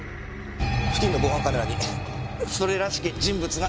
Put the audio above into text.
付近の防犯カメラにそれらしき人物が映っていました。